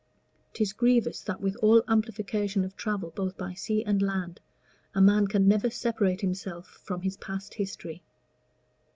'Tis grievous that with all amplification of travel both by sea and land, a man can never separate himself from his past history.